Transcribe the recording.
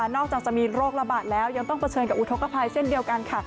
อกจากจะมีโรคระบาดแล้วยังต้องเผชิญกับอุทธกภัยเช่นเดียวกันค่ะ